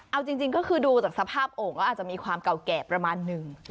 เอาจริงก็คือดูจากสภาพโอ่งก็อาจจะมีความเก่าแก่ประมาณนึง